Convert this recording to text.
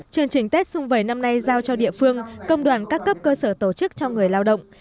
chương trình tết xung vầy năm nay giao cho địa phương công đoàn các cấp cơ sở tổ chức cho người lao động